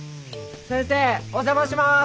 先生お邪魔しまーす。